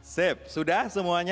sip sudah semuanya